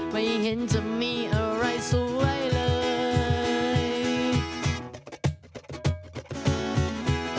ไม่เห็นจะมีอะไรสวยเลย